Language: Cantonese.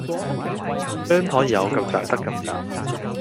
張檯有咁窄得咁窄